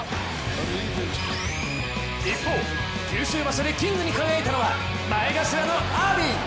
一方、九州場所でキングに輝いたのは、前頭の阿炎。